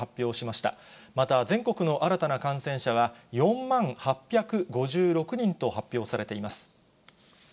また、全国の新たな感染者は４万８５６人と発表されています。